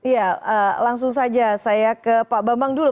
ya langsung saja saya ke pak bambang dulu